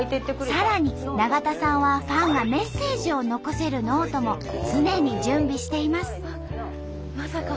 さらに永田さんはファンがメッセージを残せるノートも常に準備しています。